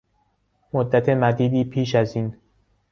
مدت مدیدی پیش از این